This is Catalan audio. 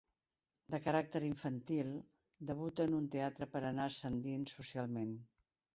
De caràcter infantil, debuta en un teatre per anar ascendint socialment.